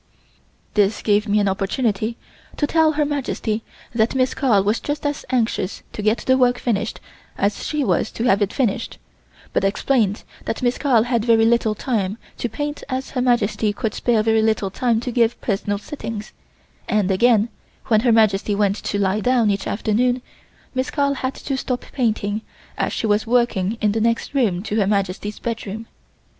This gave me an opportunity to tell Her Majesty that Miss Carl was just as anxious to get the work finished as she was to have it finished, but explained that Miss Carl had very little time to paint as Her Majesty could spare very little time to give personal sittings, and again, when Her Majesty went to lie down each afternoon, Miss Carl had to stop painting as she was working in the next room to Her Majesty's bedroom.